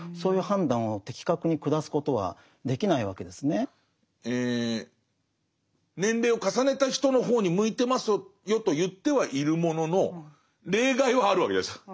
そうすると年齢を重ねた人の方に向いてますよと言ってはいるものの例外はあるわけじゃないですか